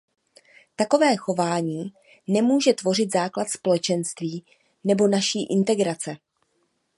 Takové chování nemůže tvořit základ Společenství nebo naší integrace.